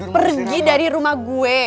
pergi dari rumah gue